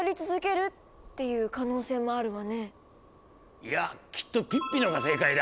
いやきっとピッピのが正解だ。